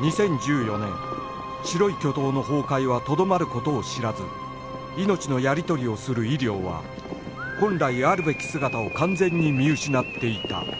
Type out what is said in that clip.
２０１４年白い巨塔の崩壊はとどまる事を知らず命のやり取りをする医療は本来あるべき姿を完全に見失っていた